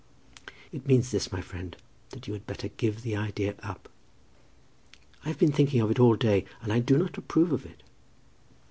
"It means this, my friend, that you had better give the idea up. I have been thinking of it all day, and I do not approve of it."